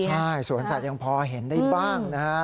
ใช่สวรรค์ศาสตร์ยังพอเห็นได้บ้างนะฮะ